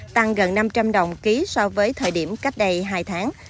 tăng gần năm trăm linh đồng ký so với thời điểm cách đây hai tháng